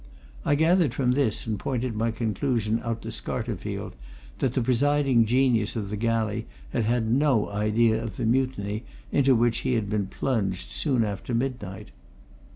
I gathered from this, and pointed my conclusion out to Scarterfield, that the presiding genius of the galley had had no idea of the mutiny into which he had been plunged soon after midnight.